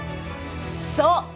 そう！